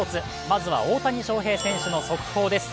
まずは大谷翔平選手の速報です。